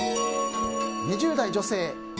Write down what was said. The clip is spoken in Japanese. ２０代女性。